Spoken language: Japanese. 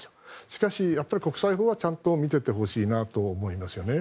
しかし、国際法はちゃんと見ててほしいなと思いますよね。